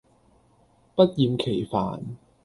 不厭其煩